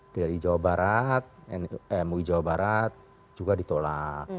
dari jawa barat mui jawa barat juga ditolak